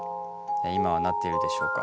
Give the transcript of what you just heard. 今はなっているでしょうか。